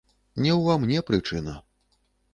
Не ўва мне прычына.